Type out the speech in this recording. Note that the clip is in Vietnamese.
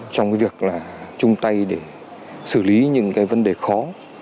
trong cái việc là chung tay để xử lý những cái vấn đề khó